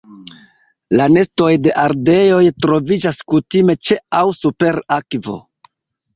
La nestoj de ardeoj troviĝas kutime ĉe aŭ super akvo.